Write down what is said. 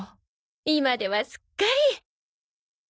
今ではすっかり。